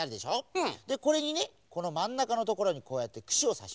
うん！でこれにねこのまんなかのところにこうやってくしをさします。